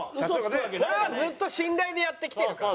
これはずっと信頼でやってきてるから。